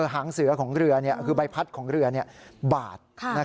หางเสือของเรือคือใบพัดของเรือบาด